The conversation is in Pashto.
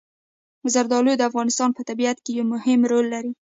زردالو د افغانستان په طبیعت کې یو مهم رول لري.